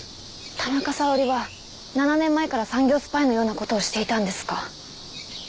田中沙織は７年前から産業スパイのような事をしていたんですか？